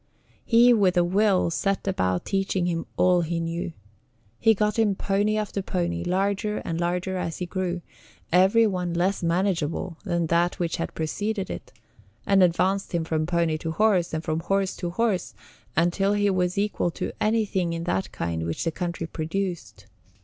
He with a will set about teaching him all he knew. He got him pony after pony, larger and larger as he grew, every one less manageable than that which had preceded it, and advanced him from pony to horse, and from horse to horse, until he was equal to anything in that kind which the country produced.